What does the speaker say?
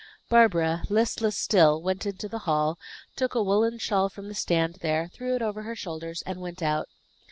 Barbara, listless still, went into the hall, took a woolen shawl from the stand there, threw it over her shoulders, and went out.